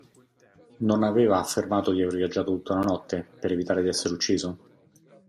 Non aveva affermato di aver viaggiato tutta una notte, per evitare d'essere ucciso?